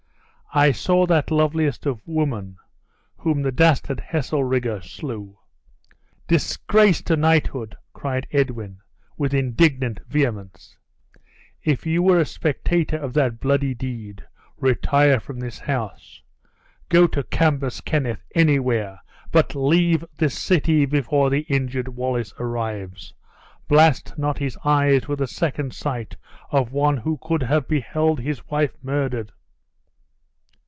I saw that loveliest of women, whom the dastard Heselrigge slew." "Disgrace to knighthood!" cried Edwin, with indignant vehemence; "if you were a spectator of that bloody deed, retire from this house; go to Cambus Kenneth anywhere; but leave this city before the injured Wallace arrives; blast not his eyes with a second sight of one who could have beheld his wife murdered."